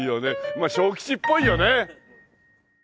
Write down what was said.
まあ小吉っぽいよね。